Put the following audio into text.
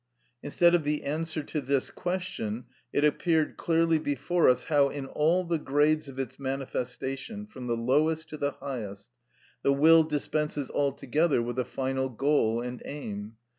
Instead of the answer to this question, it appeared clearly before us how, in all the grades of its manifestation, from the lowest to the highest, the will dispenses altogether with a final goal and aim.